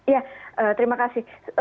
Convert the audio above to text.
ya terima kasih